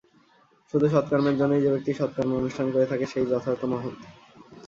শুধু সৎকর্মের জন্যই যে ব্যক্তি সৎ কর্মের অনুষ্ঠান করে থাকে, সে-ই যথার্থ মহৎ।